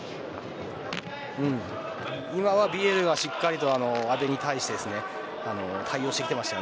今はヴィエルがしっかりと阿部に対して対応しました。